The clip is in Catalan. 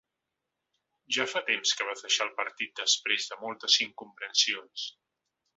Ja fa temps que vas deixar el partit després de moltes incomprensions.